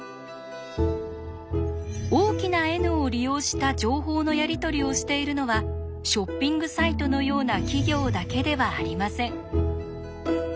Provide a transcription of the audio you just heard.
大きなＮを利用した情報のやり取りをしているのはショッピングサイトのような企業だけではありません。